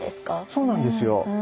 そうなんですよ。